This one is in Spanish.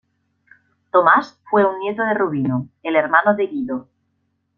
Tomás fue un nieto de Rubino, el hermano de Guido.